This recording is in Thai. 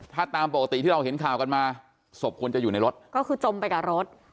ถ้าตามปกติที่เราเห็นข่าวกันมาศพควรจะอยู่ในรถก็คือจมไปกับรถ